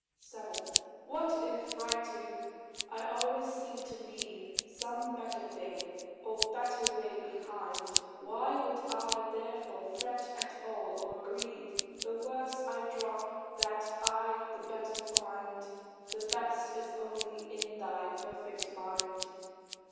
7. What if, writing, I always seem to leave Some better thing, or better way, behind, Why should I therefore fret at all, or grieve! The worse I drop, that I the better find; The best is only in thy perfect mind.